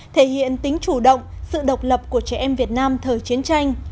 thể hiện tính chủ động sự độc lập của trẻ em việt nam thời chiến tranh